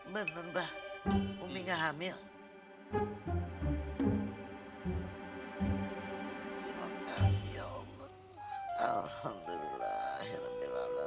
bener mbak umi gak hamil